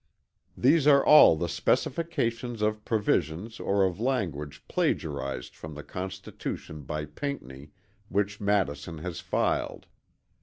These are all the specifications of provisions or of language plagiarised from the Constitution by Pinckney which Madison has filed.